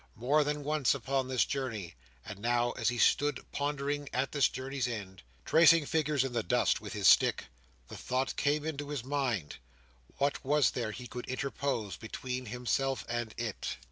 More than once upon this journey, and now again as he stood pondering at this journey's end, tracing figures in the dust with his stick, the thought came into his mind, what was there he could interpose between himself and it?